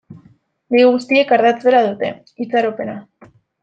Gai guztiek ardatz bera dute: itxaropena.